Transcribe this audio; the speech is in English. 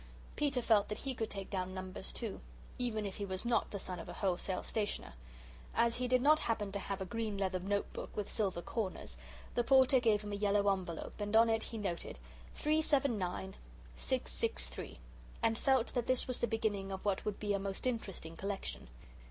Peter felt that he could take down numbers, too, even if he was not the son of a wholesale stationer. As he did not happen to have a green leather note book with silver corners, the Porter gave him a yellow envelope and on it he noted: 379 663 and felt that this was the beginning of what would be a most interesting collection.